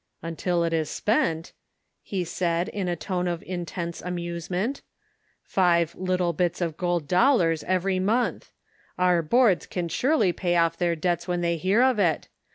" Until it is spent," he said, in a tone of in tense amusement. "Five 'little bits of gold dollars ' every month ! Our Boards can surely pay off their debts when they hear of it.